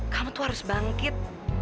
kamu tuh harus bangkit